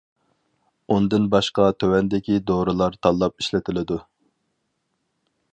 ئۇندىن باشقا تۆۋەندىكى دورىلار تاللاپ ئىشلىتىلىدۇ.